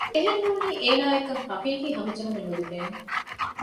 އެހެން ނޫނީ އޭނާއަކަށް ޙަޤީޤީ ހަމަޖެހުމެއް ނުލިބޭނެ